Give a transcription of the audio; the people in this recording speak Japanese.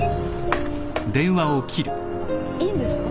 いいんですか？